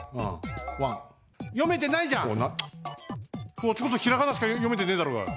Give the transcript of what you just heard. そっちこそひらがなしかよめてねえだろうが！